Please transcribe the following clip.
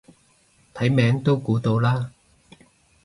睇名都估到啦